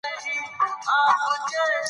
هغه چې غوښه خوړلې بدن یې بد بوی لري.